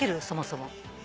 そもそも。